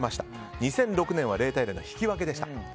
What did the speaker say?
２００６年は０対０の引き分けでした。